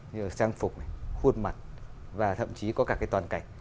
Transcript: như là trang phục này khuôn mặt và thậm chí có cả cái toàn cảnh